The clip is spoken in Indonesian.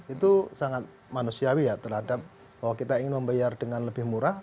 itu sangat manusiawi ya terhadap bahwa kita ingin membayar dengan lebih murah